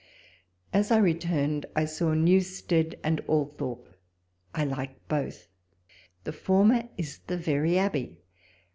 As I returned, I saw Newstead and Althorpe : I like both. The former is the very abbey.